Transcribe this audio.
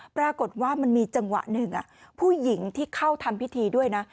ปรากฏว่ามันมีจังหวะหนึ่งผู้หญิงที่เข้าทำพิธีด้วยนะ